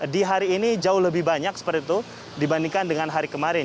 di hari ini jauh lebih banyak seperti itu dibandingkan dengan hari kemarin